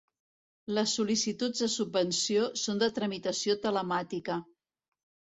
Les sol·licituds de subvenció són de tramitació telemàtica.